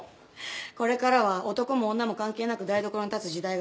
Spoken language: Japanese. これからは男も女も関係なく台所に立つ時代が来る。